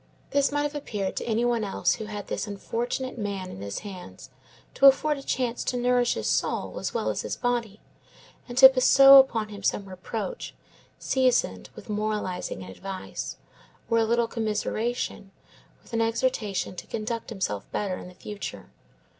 This might have appeared to any one else who had this, unfortunate man in his hands to afford a chance to nourish his soul as well as his body, and to bestow upon him some reproach, seasoned with moralizing and advice, or a little commiseration, with an exhortation to conduct himself better in the future.